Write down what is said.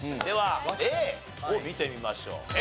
ではＡを見てみましょう。